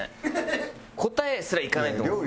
答えすらいかないと思う。